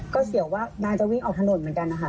ก็เสียวว่านางจะวิ่งออกถนนเหมือนกันนะคะ